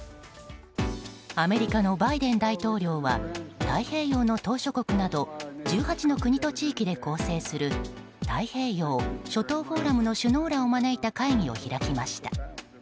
アメリカのバイデン大統領は太平洋の島しょ国など１８の国と地域で構成する太平洋諸島フォーラムの首脳らを招いた会議を開きました。